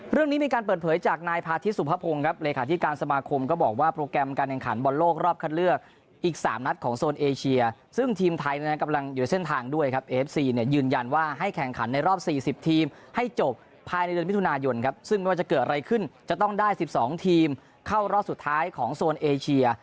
เรื่องนี้มีการเปิดเผยจากนายพาธิสุภพงศ์ครับเลยขาดที่การสมาคมก็บอกว่าโปรแกรมการแข่งขันบอลโลกรอบคันเลือกอีกสามนัดของโซนเอเชียซึ่งทีมไทยนะกำลังอยู่ในเส้นทางด้วยครับเอฟซีเนี่ยยืนยันว่าให้แข่งขันในรอบสี่สิบทีมให้จบภายในเดือนวิทยุนายนครับซึ่งไม่ว่าจะเกิดอะไรขึ้นจะต้องได